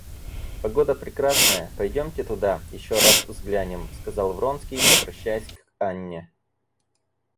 Погода прекрасная, пойдемте туда, еще раз взглянем, — сказал Вронский, обращаясь к Анне.